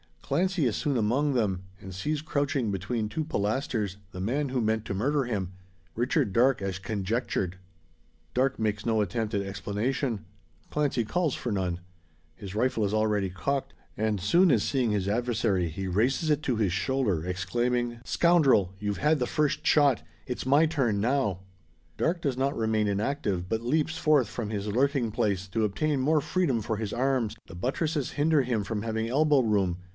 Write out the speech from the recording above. Clancy is soon among them; and sees crouching between two pilasters, the man who meant to murder him Richard Darke as conjectured. Darke makes no attempt at explanation. Clancy calls for none. His rifle is already cocked; and, soon as seeing his adversary, he raises it to his shoulder, exclaiming: "Scoundrel! you've had the first shot. It's my turn now." Darke does not remain inactive, but leaps forth from his lurking place, to obtain more freedom for his arms. The buttresses hinder him from having elbow room.